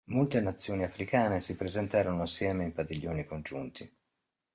Molte nazioni africane si presentarono assieme in padiglioni congiunti.